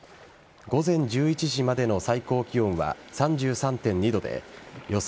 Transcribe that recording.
午前１１時までの最高気温は３３．２度で予想